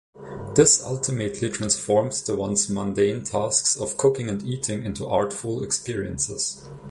This ultimately transformed the once mundane tasks of cooking and eating into artful experiences.